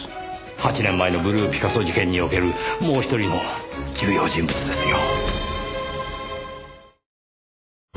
８年前のブルーピカソ事件におけるもう１人の重要人物ですよ。